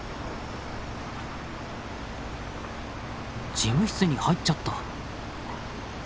事務室に入っちゃった。